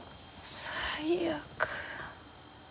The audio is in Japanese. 最悪。